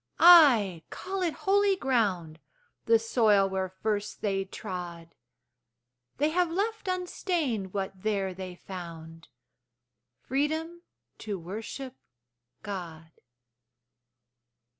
Ay, call it holy ground, The soil where first they trod. They have left unstained what there they found Freedom to worship God.